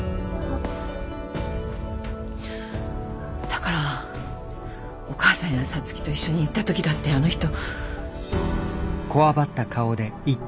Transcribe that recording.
だからお母さんや皐月と一緒にいた時だってあの人。